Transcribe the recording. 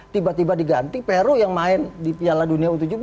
tiba tiba diganti peru yang main di piala dunia u tujuh belas